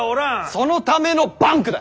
そのためのバンクだ。